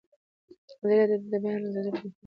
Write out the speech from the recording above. ازادي راډیو د د بیان آزادي پرمختګ سنجولی.